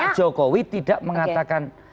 pak jokowi tidak mengatakan